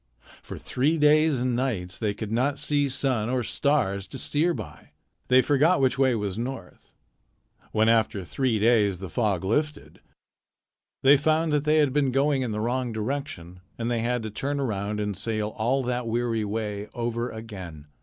For three days and nights they could not see sun or stars to steer by. They forgot which way was north. When after three days the fog lifted, they found that they had been going in the wrong direction, and they had to turn around and sail all that weary way over again.